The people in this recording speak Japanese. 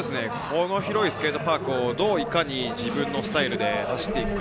この広いスケートパークをどう、いかに自分のスタイルで走っていくか。